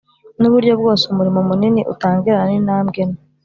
nuburyo bwose umurimo munini, utangirana nintambwe nto.